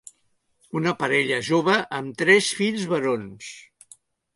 Una parella jove amb tres fills barons.